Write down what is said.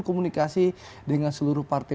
komunikasi dengan seluruh partai